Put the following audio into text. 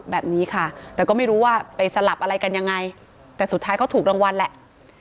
แบบนี้ค่ะแต่ก็ไม่รู้ว่าไปสลับอะไรกันยังไงแต่สุดท้ายเขาถูกรางวัลแหละ